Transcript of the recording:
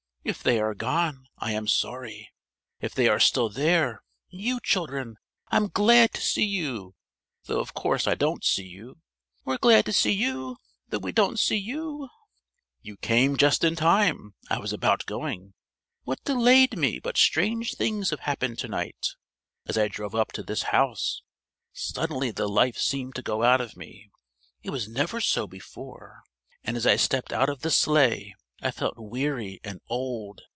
If they are gone, I am sorry. If they are still there you children! I'm glad to see you. Though of course I don't see you!" "We're glad to see you though we don't see you!" "You came just in time. I was about going. What delayed me but strange things have happened to night! As I drove up to this house, suddenly the life seemed to go out of me. It was never so before. And as I stepped out of the Sleigh, I felt weary and old.